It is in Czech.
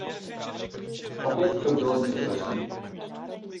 Opět to bylo díky osudu.